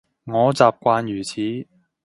我習慣如此